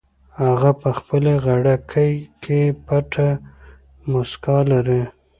هغه په خپلې غړکۍ کې پټه موسکا لري.